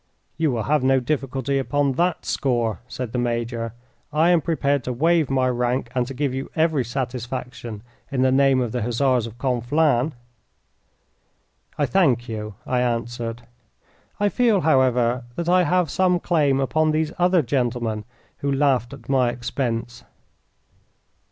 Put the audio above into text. "You will have no difficulty upon that score," said the major. "I am prepared to waive my rank and to give you every satisfaction in the name of the Hussars of Conflans." "I thank you," I answered. "I feel, however, that I have some claim upon these other gentlemen who laughed at my expense."